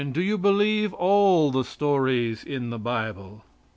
Do you believe all the stories in the Bible?